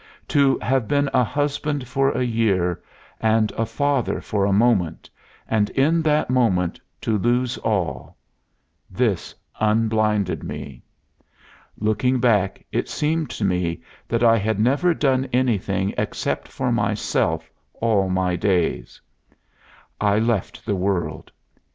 To have been a husband for a year, and a father for a moment, and in that moment to lose all this unblinded me. Looking back, it seemed to me that I had never done anything except for myself all my days. I left the world.